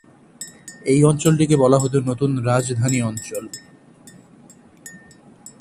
এই অঞ্চলটিকে বলা হত নতুন রাজধানী অঞ্চল।